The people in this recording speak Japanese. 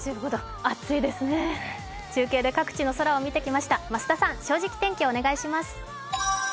中継で各地の空を見てきました増田さん、「正直天気」お願いします。